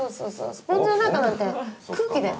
スポンジの中なんて空気だよ。